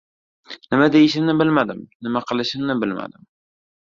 Nima deyishimni bilmadim, nima qilishimni bilmadim.